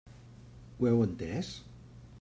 Ho heu entès?